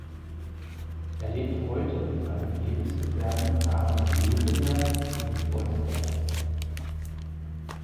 Er lebt heute mit seinem Lebensgefährten Daniel Wesener in Kreuzberg.